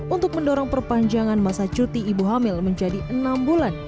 untuk mendorong perpanjangan masa cuti ibu hamil menjadi enam bulan